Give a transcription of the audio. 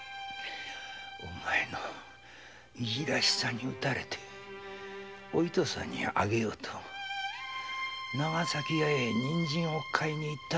お前のいじらしさに打たれてお糸さんにあげようと長崎屋へ人参を買いに行ったのだが。